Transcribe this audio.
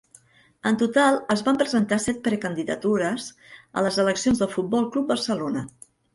En total es van presentar set precandidatures a les eleccions del Futbol Club Barcelona.